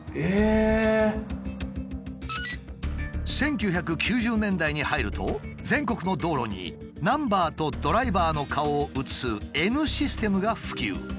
１９９０年代に入ると全国の道路にナンバーとドライバーの顔を写す「Ｎシステム」が普及。